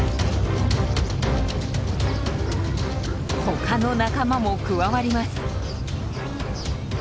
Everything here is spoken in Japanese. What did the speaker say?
他の仲間も加わります。